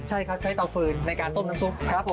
ใช่ครับใช้เตาฟืนในการต้มน้ำซุปครับผม